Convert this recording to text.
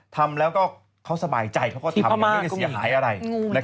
ทำแล้วก็เขาสบายใจเขาก็ทำไม่ได้เสียหายอะไร